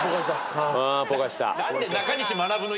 あポカした。